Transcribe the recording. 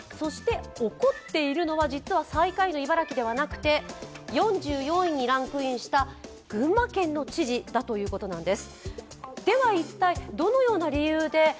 怒っているのは実は最下位の茨城ではなくて４４位にランクインした群馬県の知事だということなんです。